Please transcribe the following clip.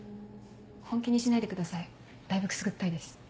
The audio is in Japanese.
本気にしないでくださいだいぶくすぐったいです。